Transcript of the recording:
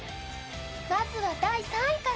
まずは第３位から。